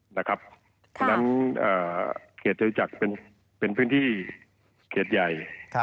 เพราะฉะนั้นเขตจตุจักรเป็นพื้นที่เขตใหญ่